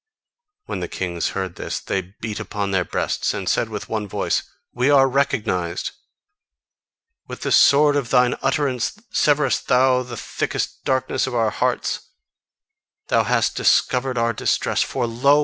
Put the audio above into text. When the kings heard this, they beat upon their breasts and said with one voice: "We are recognised! With the sword of thine utterance severest thou the thickest darkness of our hearts. Thou hast discovered our distress; for lo!